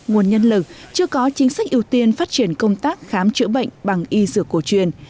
nguồn nhân lực chưa có chính sách ưu tiên phát triển công tác khám chữa bệnh bằng y dược cổ truyền